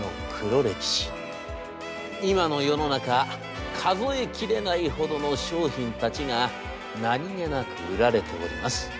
今の世の中数えきれないほどの商品たちが何気なく売られております。